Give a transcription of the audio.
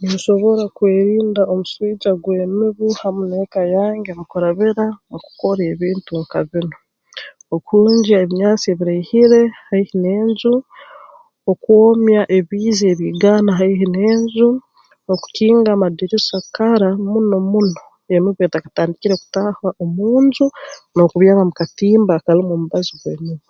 Ninsobora kwerinda omuswija gw'emibu hamu n'eka yange mu kurabira mu kukora ebintu nka biinu okuhungya ebinyansi ebiraihire haihi n'enju okwomya ebiizi ebiigaana haihi n'enju okukinga amadirisa kara muno muno emibu etakatandikire kutaaha omu nju n'okubyama mu katimba akarumu omubazi gw'emibu